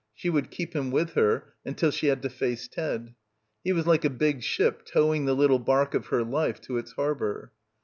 She would keep him with her until she had to face Ted. He was like a big ship towing the little barque of her life to its harbour.